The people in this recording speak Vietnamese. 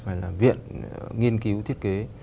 hay là viện nghiên cứu thiết kế